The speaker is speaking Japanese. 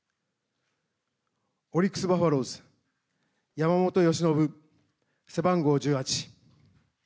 オリックス・バファローズ山本由伸、背番号１８。